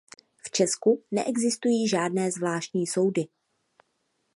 V Česku neexistují žádné zvláštní soudy.